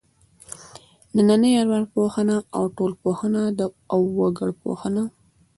نننۍ ارواپوهنه او ټولنپوهنه او وګړپوهنه.